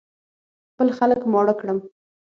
خپل خلک ماړه کړم.